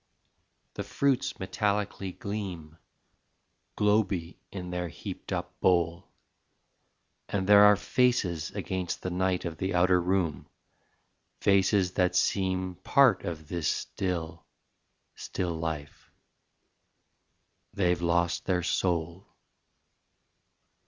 The fruits metallically gleam, Globey in their heaped up bowl, And there are faces against the night Of the outer room faces that seem Part of this still, still life ... they've lost their soul.